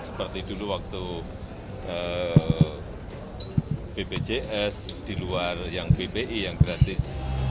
seperti dulu waktu bpjs di luar yang bpi yang gratis